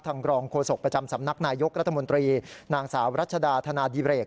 รองโฆษกประจำสำนักนายยกรัฐมนตรีนางสาวรัชดาธนาดิเรก